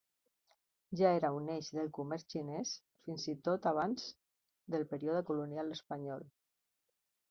Ja era un eix del comerç xinès fins i tot abans del període colonial espanyol.